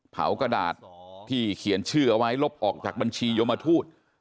กระดาษที่เขียนชื่อเอาไว้ลบออกจากบัญชียมทูต